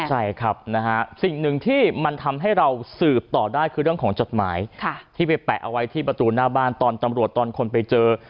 ใช่ครับนะฮะสิ่งหนึ่งที่มันทำให้เราสืบต่อได้คือเรื่องของจดหมายที่ไปแปะเอาไว้ที่ประตูหน้าบ้านตอนตำรวจตอนคนไปเจอ